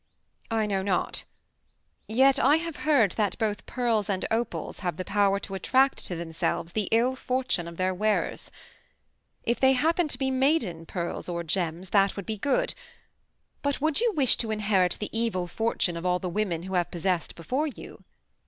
"I know not. Yet I have heard that both pearls and opals have the power to attract to themselves the ill fortune of their wearers. If they happen to be maiden pearls or gems that would be good; but would you wish to inherit the evil fortune of all the women who have possessed before you?"